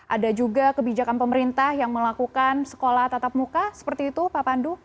ada juga kebijakan pemerintah yang melakukan sekolah tatap muka seperti itu pak pandu